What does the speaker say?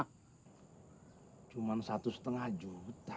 hai cuman satu setengah juta